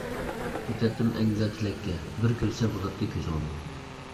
يېتەتتىم ئەڭ گۈزەل تىلەككە، بىر كۆرسەم بولاتتى كۆزۈڭنى.